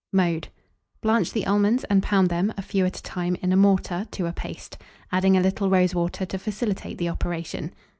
Mode. Blanch the almonds, and pound them (a few at a time) in a mortar to a paste, adding a little rose water to facilitate the operation.